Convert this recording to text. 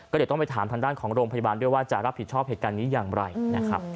เดี๋ยวต้องไปถามทางด้านของโรงพยาบาลด้วยว่าจะรับผิดชอบเหตุการณ์นี้อย่างไรนะครับ